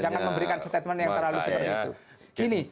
jangan memberikan statement yang terlalu seperti itu